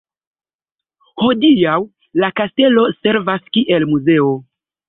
Hodiaŭ la Kastelo servas kiel muzeo.